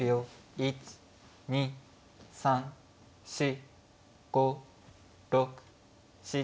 １２３４５６７８。